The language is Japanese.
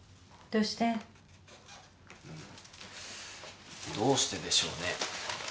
どうしてでしょうね。